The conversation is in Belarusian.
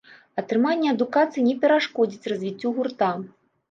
Атрыманне адукацыі не перашкодзіць развіццю гурта.